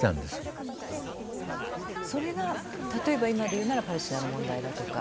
それが例えば今でいうならパレスチナの問題だとか